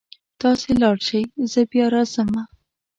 تاسې لاړ شئ زه بیا راځمه